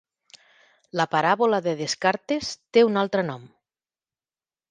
La paràbola de Descartes té un altre nom.